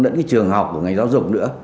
lẫn cái trường học của ngành giáo dục nữa